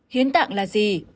hiến tạng là gì